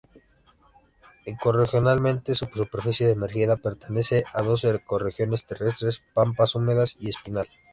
Ecorregionalmente su superficie emergida pertenece a dos ecorregiones terrestres: pampas húmedas y espinal.